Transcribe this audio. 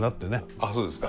あっそうですか。